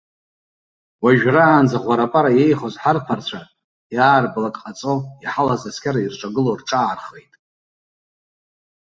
Уажәраанӡа ӷәарапара еихоз ҳарԥарцәа, иаарбалак ҟаҵо иҳалаз асқьар ирҿагыло рҿаархеит.